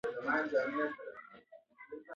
د عضلو لړزه د بدن ګرم ساتلو اغېزناکه لار ده.